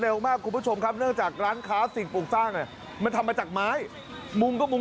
แล้วมันเป็นเชื้อเพลิงอย่างดีเลยนะว่ะผมทำได้ว่าตอนก่อน